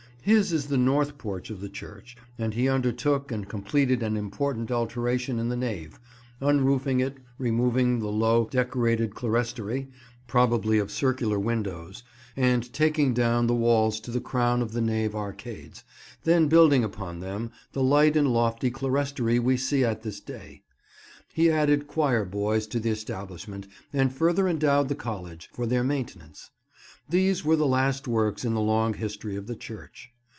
His is the north porch of the church, and he undertook and completed an important alteration in the nave; unroofing it, removing the low Decorated clerestory, probably of circular windows, and taking down the walls to the crown of the nave arcades; then building upon them the light and lofty clerestory we see at this day. He added choir boys to the establishment, and further endowed the College, for their maintenance. These were the last works in the long history of the church.